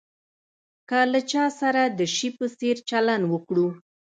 که له چا سره د شي په څېر چلند وکړو.